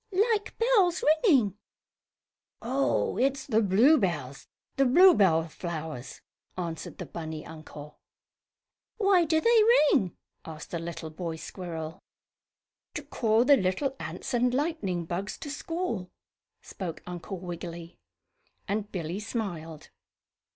"Like bells ringing." "Oh, it's the bluebells the bluebell flowers," answered the bunny uncle. "Why do they ring?" asked the little boy squirrel. "To call the little ants and lightning bugs to school," spoke Uncle Wiggily, and Billy smiled.